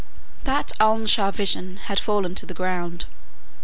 That Alnaschar vision had fallen to the ground.